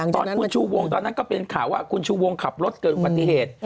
ตอนนั้นก็เป็นข่าวว่าคุณชูวงขับรถเกิดปัจจิเหตุ